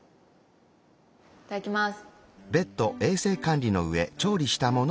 いただきます。